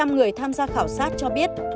bảy mươi năm người tham gia khảo sát cho biết